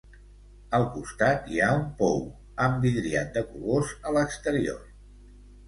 Al costat hi ha un pou amb vidriat de colors a l'exterior.